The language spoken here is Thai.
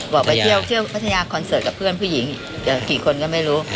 บอกไปเที่ยวเที่ยวพัทยาคอนเสิร์ตกับเพื่อนผู้หญิงอีกกี่คนก็ไม่รู้